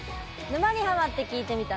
「沼にハマってきいてみた」